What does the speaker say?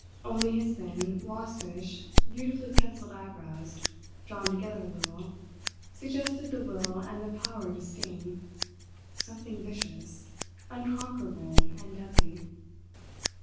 Only his thin, waspish, beautifully pencilled eyebrows, drawn together a little, suggested the will and the power to sting something vicious, unconquerable, and deadly.